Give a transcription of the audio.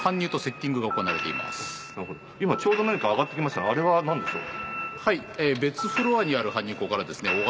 ちょうど何か上がってきましたがあれは何でしょう？